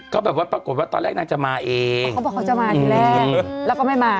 ก็แบบว่าปรากฏว่าตอนแรกนางจะมาเองอ๋อเขาบอกเขาจะมาที่แรกแล้วก็ไม่มา